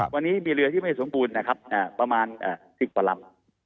วันนี้มีเรือที่ไม่สมบูรณ์นะครับประมาณ๑๐กว่าลำ